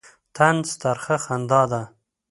طنز ترخه خندا ده.